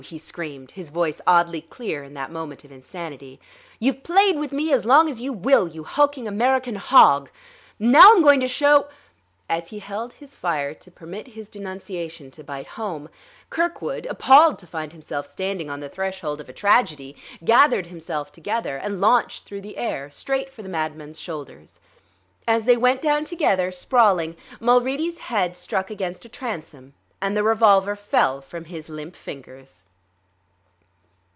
he screamed, his voice oddly clear in that moment of insanity. "You've played with me as long as you will, you hulking American hog! And now I'm going to show " As he held his fire to permit his denunciation to bite home, Kirkwood, appalled to find himself standing on the threshold of a tragedy, gathered himself together and launched through the air, straight for the madman's shoulders. As they went down together, sprawling, Mulready's head struck against a transom and the revolver fell from his limp fingers.